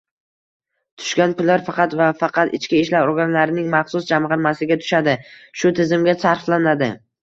Tushgan pullar faqat va faqat ichki ishlar organlarining maxsus jamgʻarmasiga tushadi, shu tizimga sarflanadi.